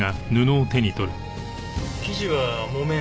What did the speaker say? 生地は木綿。